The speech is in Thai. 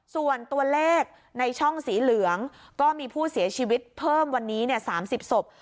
ส่วนตัวเลขในช่องสีเหลืองก็มีผู้เสียชีวิตเพิ่มวันนี้๓๐ศพ